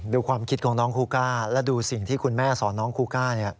ความคิดของน้องคูก้าและดูสิ่งที่คุณแม่สอนน้องคูก้าเนี่ย